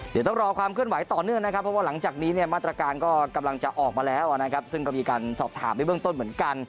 เดี๋ยวต้องรอความเคลื่อนไหวต่อเนื่องนะครับเพราะว่าหลังจากนี้เนี่ยมาตรการก็กำลังจะออกมาแล้วนะครับซึ่งก็มีการสอบถามไปเบื้องต้นเหมือนกัน